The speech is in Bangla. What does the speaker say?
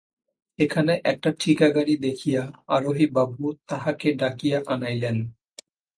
সেখানে একটা ঠিকাগাড়ি দেখিয়া, আরোহী বাবু তাহাকে ডাকিয়া আনাইলেন।